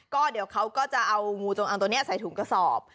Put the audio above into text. ก็เดี๋ยวเขาก็จะเอางูจงอังตัวนี้ใส่ถุงกระสอบ